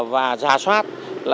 và ra soát